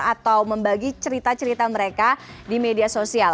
atau membagi cerita cerita mereka di media sosial